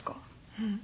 うん。